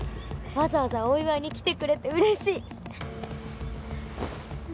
わざわざお祝いに来てくれて嬉しい！